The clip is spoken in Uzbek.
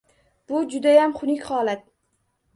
Bu – judayam xunuk holat.